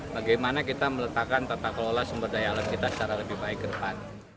bagaimana kita meletakkan tata kelola sumber daya alam kita secara lebih baik ke depan